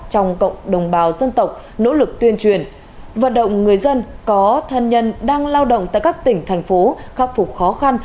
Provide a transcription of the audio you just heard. trong cộng đồng bào dân tộc nỗ lực tuyên truyền vận động người dân có thân nhân đang lao động tại các tỉnh thành phố khắc phục khó khăn